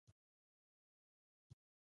يو وخت د بګۍ د څرخونو غنجا ودرېده.